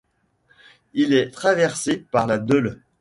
Elle est traversée par la Deûle.